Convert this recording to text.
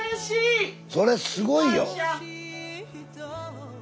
それすごいよ。